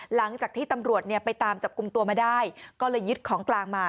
หลังจากที่ตำรวจเนี่ยไปตามจับกลุ่มตัวมาได้ก็เลยยึดของกลางมา